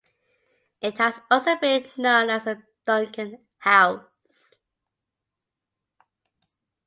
It has also been known as the Dugan House.